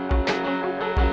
makasih ya sus goreng